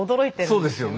そうですよね。